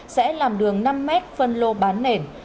sẽ làm đường năm m phân lô bán nền